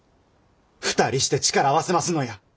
２人して力合わせますのや。